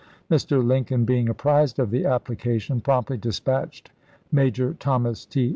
Mr. Lincoln, being apprised of the application, promptly dispatched Major Thomas T.